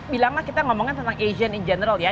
bilanglah kita ngomongin tentang asian in general ya